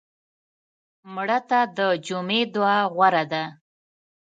مړه ته د جمعې دعا غوره ده